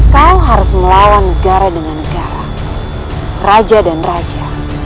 kau harus melawan negara dengan negara raja dan raja